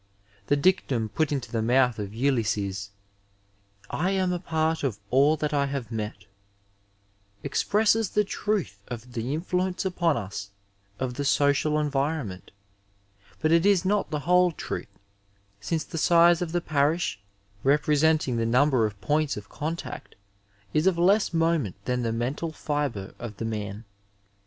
The dictum put into the mouth of Ulysses, '' I am a part of all that I have met ,'' expresses the truth of the influence upon us of the social environment, but it is not the whole truth, since the size of the parish, representing the number of points of contact, is of less moment than the mental fibre of the man.